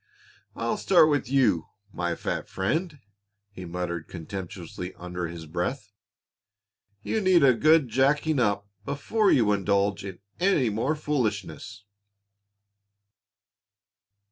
"I'll start with you, my fat friend," he muttered contemptuously under his breath. "You need a good jacking up before you indulge in any more foolishness."